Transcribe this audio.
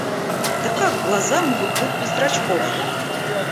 Да как глаза могут быть без зрачков?